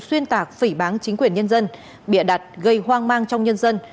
xuyên tạc phỉ bán chính quyền nhân dân bịa đặt gây hoang mang trong nhân dân